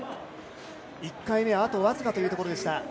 １回目はあと僅かというところでした。